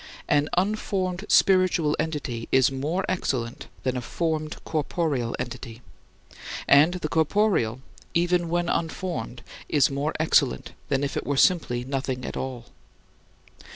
An unformed spiritual entity is more excellent than a formed corporeal entity; and the corporeal, even when unformed, is more excellent than if it were simply nothing at all.